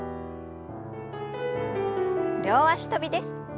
両脚跳びです。